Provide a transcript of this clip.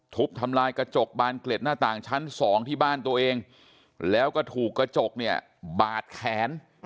ทุบทำลายกระจกบานเกล็ดหน้าต่างชั้นสองที่บ้านตัวเองแล้วก็ถูกกระจกเนี่ยบาดแขน